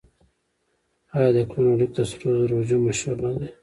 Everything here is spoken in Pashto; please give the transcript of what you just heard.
آیا د کلونډیک د سرو زرو هجوم مشهور نه دی؟